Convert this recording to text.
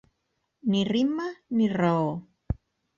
Ni ritme ni raó